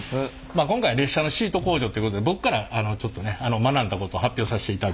まあ今回列車のシート工場ということで僕からちょっとね学んだこと発表させていただきたいと思います。